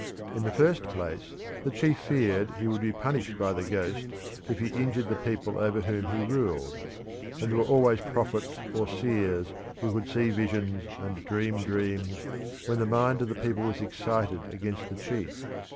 In the first place the chief feared he would be punished by the ghost if he injured the people over whom he ruled, and there were always prophets or seers who could see visions and dream dreams when the mind of the people was excited against the chief.